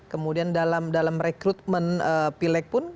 kemudian dalam rekrutmen pilek pun